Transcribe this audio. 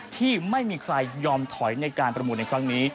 ที่ไม่มีใครยอมถอยในการประมูลในครั้งนี้